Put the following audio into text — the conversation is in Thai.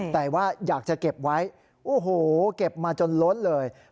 แต่ว่าอยากจะเก็บไว้โอ้โหเก็บมาจนล้นเลย